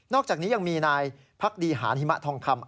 อกจากนี้ยังมีนายพักดีหานหิมะทองคำ